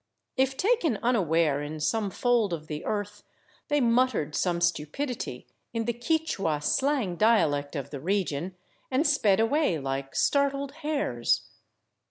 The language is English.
If taken unaware in some fold of the earth, they muttered some stupidity in the Ouichua slang dialect of the region, and sped away like startled hares.